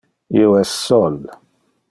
Io es sol.